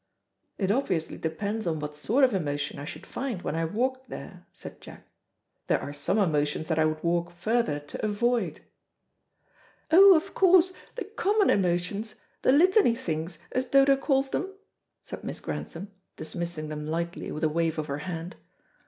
"It obviously depends on what sort of emotion I should find when I walked there," said Jack. "There are some emotions that I would walk further to avoid." "Oh, of course, the common emotions, 'the litany things,' as Dodo calls them," said Miss Grantham, dismissing them lightly with a wave of her hand.